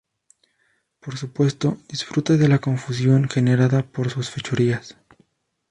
Por supuesto, disfruta de la confusión generada por sus fechorías.